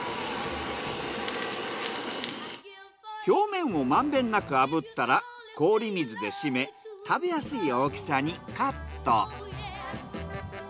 表面をまんべんなく炙ったら氷水でしめ食べやすい大きさにカット。